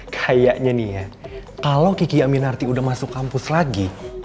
kayaknya nih ya kalau kiki aminarti udah masuk kampus lagi